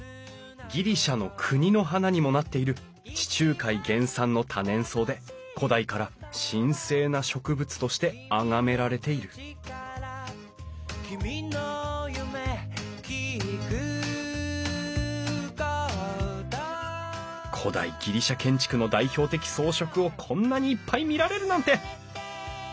ギリシャの国の花にもなっている地中海原産の多年草で古代から神聖な植物としてあがめられている古代ギリシャ建築の代表的装飾をこんなにいっぱい見られるなんて！